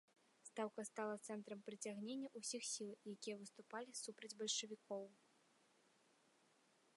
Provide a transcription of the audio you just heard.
Стаўка стала цэнтрам прыцягнення ўсіх сіл, якія выступалі супраць бальшавікоў.